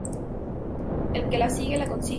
El que la sigue, la consigue